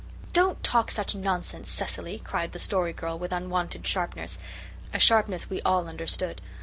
"Don't talk such nonsense, Cecily," cried the Story Girl with unwonted sharpness, a sharpness we all understood.